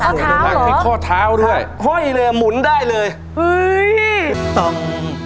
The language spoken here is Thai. ข้อเท้าเหรอข้อเท้าด้วยค่ะห้อยเลยหมุนได้เลย